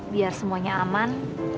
biar semuanya aman